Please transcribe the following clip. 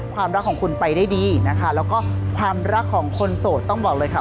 ความรักของคุณไปได้ดีนะคะแล้วก็ความรักของคนโสดต้องบอกเลยค่ะ